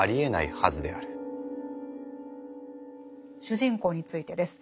主人公についてです。